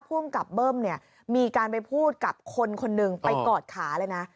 ภูมิกับเบิ้มเนี่ยมีการไปพูดกับคนคนหนึ่งไปกอดขาเลยนะ